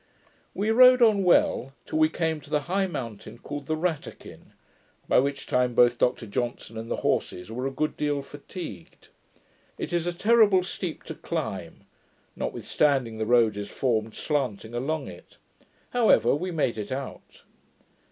We rode on well, till we came to the high mountain called the Rattakin, by which time both Dr Johnson and the horses were a good deal fatigued. It is a terrible steep climb, notwithstanding the road is formed slanting along it; however, we made it out.